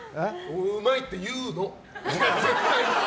うまいって言うの。